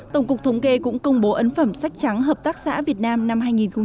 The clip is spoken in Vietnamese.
tổng cục thống kê cũng công bố ấn phẩm sách trắng hợp tác xã việt nam năm hai nghìn một mươi chín